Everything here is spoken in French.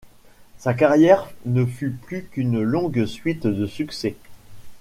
Sa carrière ne fut plus qu’une longue suite de succès.